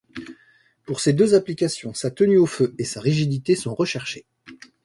Pour ces deux applications, sa tenue au feu et sa rigidité sont recherchées.